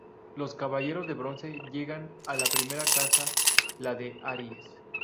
Los caballeros de bronce llegan a la primera casa, la de Aries.